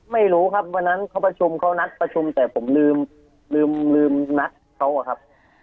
ไม่รู้ครับวันนั้นเขาประชุมเขานัดประชุมแต่ผมลืมลืมนัดเขาอะครับ